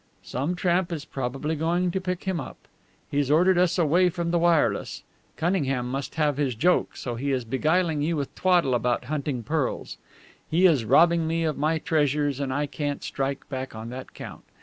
"Some tramp is probably going to pick him up. He's ordered us away from the wireless. Cunningham must have his joke, so he is beguiling you with twaddle about hunting pearls. He is robbing me of my treasures, and I can't strike back on that count.